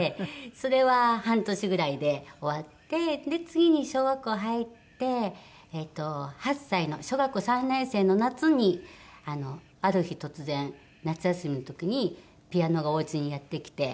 それは半年ぐらいで終わって次に小学校入ってえっと８歳の小学校３年生の夏にある日突然夏休みの時にピアノがおうちにやってきて。